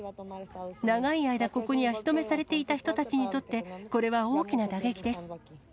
長い間、ここに足止めされていた人たちにとって、これは大きな打撃です。